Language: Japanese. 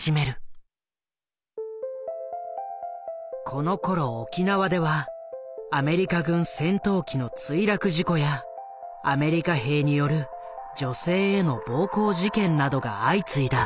このころ沖縄ではアメリカ軍戦闘機の墜落事故やアメリカ兵による女性への暴行事件などが相次いだ。